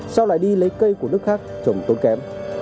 sau lại đi lấy cây của nước khác trồng tốn kém